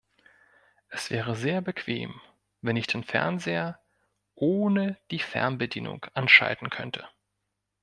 Es wäre sehr bequem wenn ich den Fernseher ohne die Fernbedienung anschalten könnte.